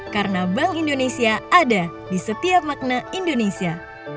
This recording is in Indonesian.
karena bank indonesia ada di setiap makna indonesia